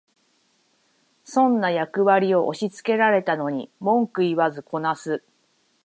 損な役割を押しつけられたのに文句言わずこなす